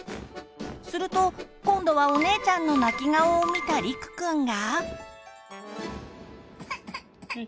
すると今度はお姉ちゃんの泣き顔を見たりくくんが。